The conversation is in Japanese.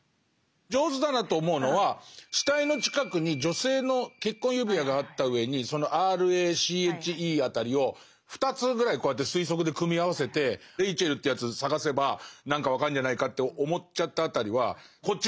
上手だなと思うのは死体の近くに女性の結婚指輪があったうえにその「ＲＡＣＨＥ」辺りを２つぐらいこうやって推測で組み合わせて「ＲＡＣＨＥＬ」っていうやつ捜せば何か分かんじゃないかって思っちゃった辺りはこっち側も「なるほど。